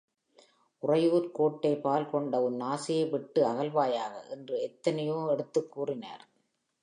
உறையூர்க் கோட்டைபால் கொண்ட உன் ஆசையை விட்டு அகல்வாயாக! என்று எத்துணையோ எடுத்துக் கூறினார்.